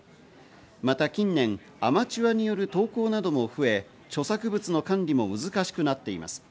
また近年、アマチュアによる投稿なども増え、著作物の管理も難しくなっています。